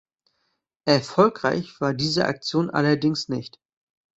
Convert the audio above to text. Erfolgreich war diese Aktion allerdings nicht.